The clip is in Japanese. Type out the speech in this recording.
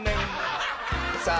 さあ